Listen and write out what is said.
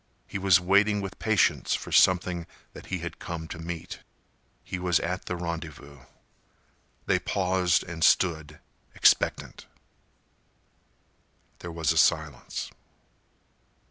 He was waiting with patience for something that he had come to meet. He was at the rendezvous. They paused and stood, expectant. There was a silence.